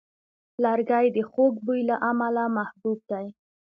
لرګی د خوږ بوی له امله محبوب دی.